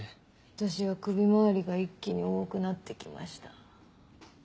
私は首回りが一気に重くなって来ました。